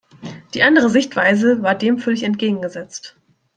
Die andere Sichtweise war dem völlig entgegengesetzt.